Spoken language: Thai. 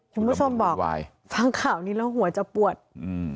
คุณผู้ชมบอกอะไรฟังข่าวนี้แล้วหัวจะปวดอืม